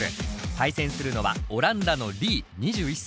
対戦するのはオランダのＬｅｅ２１歳。